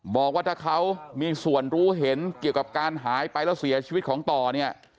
บอกว่าถ้าเขามีส่วนรู้เห็นเกี่ยวกับการหายไปแล้วเสียชีวิตของต่อเนี่ย